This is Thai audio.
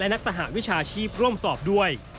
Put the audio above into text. นักสหวิชาชีพร่วมสอบด้วย